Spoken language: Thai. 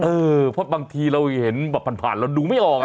เออเพราะบางทีเราเห็นผ่านแล้วดูไม่ออก